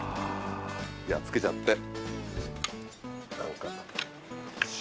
やっつけちゃって。